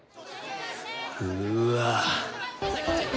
うわ！